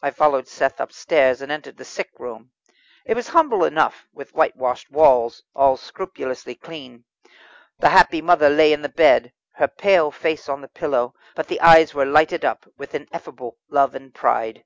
I followed Seth upstairs, and entered the sick room. It was humble enough, with whitewashed walls, all scrupulously clean. The happy mother lay in the bed, her pale face on the pillow, but the eyes were lighted up with ineffable love and pride.